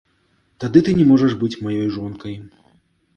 Тады ты не можаш быць маёй жонкай.